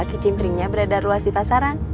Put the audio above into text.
kicim ringnya berada ruas di pasaran